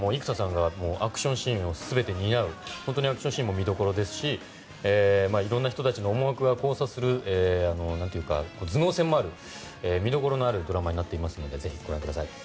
生田さんの本当にアクションシーンも見どころですしいろんな人たちの思いが交錯する頭脳戦もある、見どころのあるドラマになっていますのでぜひご覧ください。